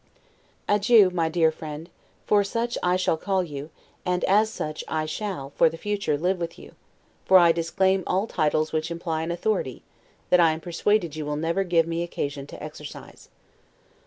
Adieu, my dear friend, for such I shall call you, and as such I shall, for the future, live with you; for I disclaim all titles which imply an authority, that I am persuaded you will never give me occasion to exercise.